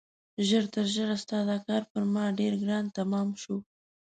ژر تر ژره ستا دا کار پر ما ډېر ګران تمام شو.